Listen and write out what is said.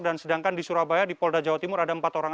dan sedangkan di surabaya di polda jawa timur ada empat orang